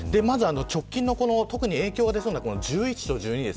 直近の影響が出そうな１１号と１２号。